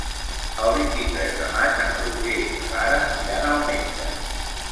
El vint-i-tres de maig en Roger i na Lara iran al metge.